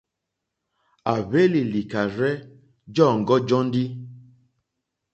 À hwélì lìkàrzɛ́ jɔǃ́ɔ́ŋɡɔ́ jóndì.